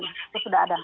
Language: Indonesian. itu sudah ada